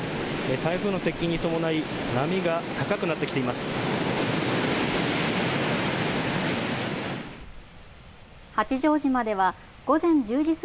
台風の接近に伴い波が高くなってきています。